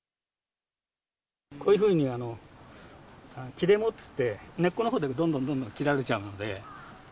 こういうふうに切れ藻っていって、根っこのほうでどんどんどんどん切られちゃうので。